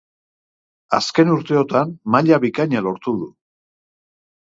Azken urteotan maila bikaina lortu du.